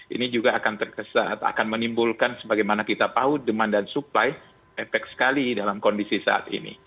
ini juga akan menimbulkan sebagaimana kita tahu demand dan supply efek sekali dalam kondisi saat ini